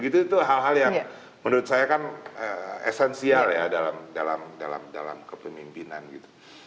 itu hal hal yang menurut saya kan esensial ya dalam kepemimpinan gitu